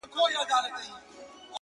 را ژوندی سوی يم!! اساس يمه احساس يمه!!